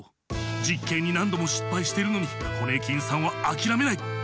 じっけんになんどもしっぱいしてるのにホネーキンさんはあきらめない。